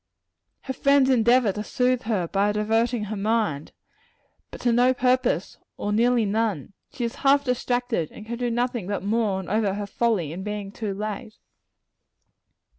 Her friends endeavor to soothe her by diverting her mind but to no purpose, or nearly none: she is half distracted, and can do nothing but mourn over her folly in being so late.